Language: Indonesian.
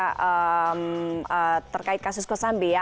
nah ini juga terkait kasus kosambi ya